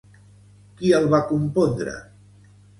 Qui el va compondre?